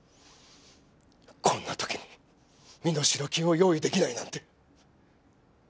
こんなときに身代金を用意できないなんて。